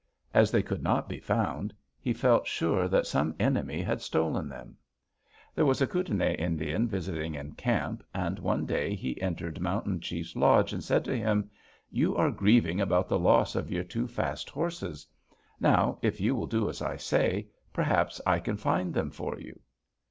As they could not be found, he felt sure that some enemy had stolen them. "There was a Kootenai Indian visiting in camp, and one day he entered Mountain Chiefs lodge, and said to him: 'You are grieving about the loss of your two fast horses. Now, if you will do as I say, perhaps I can find them for you.'